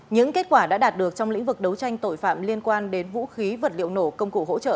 những kết quả đã đạt được trong lĩnh vực đấu tranh tội phạm liên quan đến vũ khí vật liệu nổ công cụ hỗ trợ